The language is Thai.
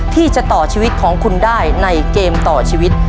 ที่จะต่อชีวิตของคุณได้ในเกมต่อชีวิต